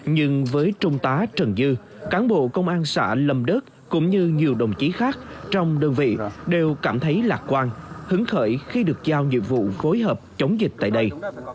nhưng với trung tá trần dư cán bộ công an xã lâm đức cũng như nhiều đồng chí khác trong đơn vị đều cảm thấy lạc quan hứng khởi khi được giao nhiệm vụ phối hợp chống dịch tại đây